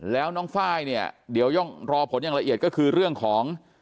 แล้วน้องไฟล์เนี่ยเดี๋ยวต้องรอผลอย่างละเอียดก็คือเรื่องของ